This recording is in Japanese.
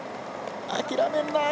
諦めんな！